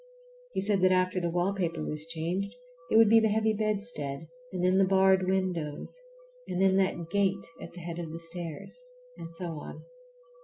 He said that after the wallpaper was changed it would be the heavy bedstead, and then the barred windows, and then that gate at the head of the stairs, and so on.